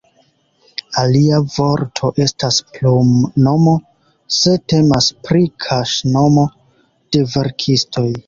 Alia vorto estas "plumnomo", se temas pri kaŝnomo de verkistoj.